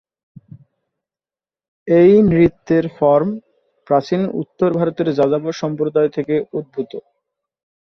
এই নৃত্যের ফর্ম প্রাচীন উত্তর ভারতের যাযাবর সম্প্রদায় থেকে উদ্ভূত।